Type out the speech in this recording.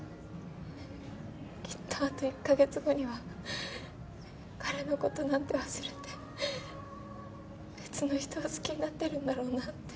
きっとあと１か月後には彼のことなんて忘れて別の人を好きになってるんだろうなって。